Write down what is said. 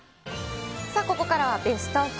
ここからはベスト５。